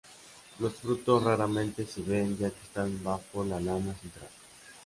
Los frutos raramente se ven ya que están bajo la lana central.